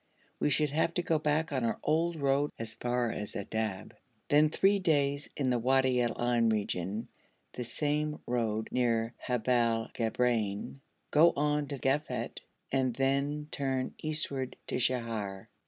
We should have to go back on our old road as far as Adab, then three days in the Wadi al Ain region, the same road near Haibel Gabrein, go on to Gaffit, and thence turn eastward to Sheher.